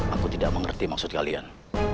aku tidak mengerti maksud kalian